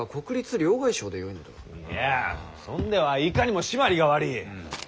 いやそんではいかにも締まりが悪い。